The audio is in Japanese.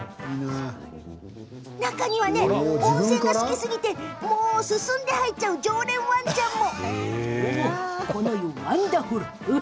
中には、温泉が好きすぎて進んで入っていっちゃう常連ワンちゃんも。